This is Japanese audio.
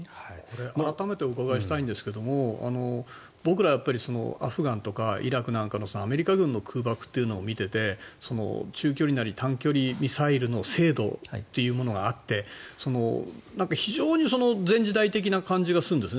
改めてお伺いしたいんですけども僕らはアフガンとかイラクなんかのアメリカ軍の空爆というのを見ていて中距離なり短距離ミサイルの精度というのがあって非常に前時代的な感じがするんですね。